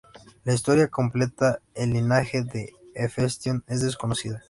La historia completa del linaje de Hefestión es desconocida.